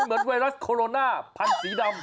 มันเหมือนไวรัสโคโรน่าพันธุ์สีดำ